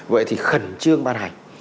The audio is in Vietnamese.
vậy thì khẩn trương ban hành